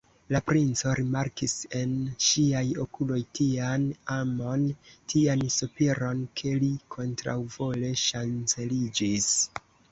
La princo rimarkis en ŝiaj okuloj tian amon, tian sopiron, ke li kontraŭvole ŝanceliĝis.